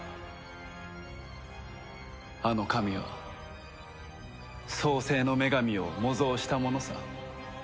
あの神は創世の女神を模造したものさ。